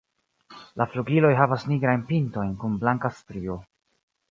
La flugiloj havas nigrajn pintojn kun blanka strio.